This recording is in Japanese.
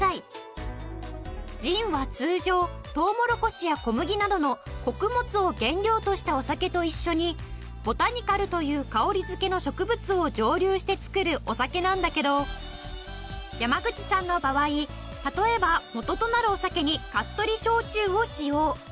ジンは通常トウモロコシや小麦などの穀物を原料としたお酒と一緒にボタニカルという香り付けの植物を蒸留して造るお酒なんだけど山口さんの場合例えば元となるお酒に粕取り焼酎を使用。